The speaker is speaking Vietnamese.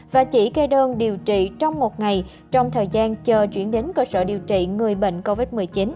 và chỉ kê đơn điều trị trong một ngày trong thời gian chờ chuyển đến cơ sở điều trị người bệnh covid một mươi chín